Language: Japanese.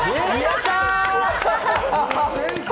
やった！